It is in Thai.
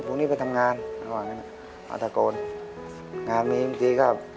พรุ่งนี้ไปทำงานพรุ่งนี้มาตะโกนงานมีบางทีครับ